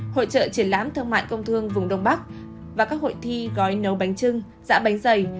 hội trợ triển lãm thương mại công thương vùng đông bắc và các hội thi gói nấu bánh trưng dạ bánh dày